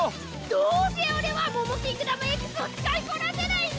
どうせ俺はモモキングダムＸを使いこなせないんだ！